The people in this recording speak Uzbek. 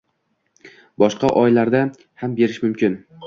boshqa oylarida ham berish mumkin.